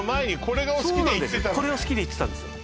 これが好きで行ってたんですよ